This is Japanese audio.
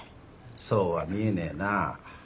そうは見えねえな。